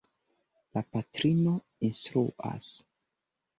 La patrino instruas.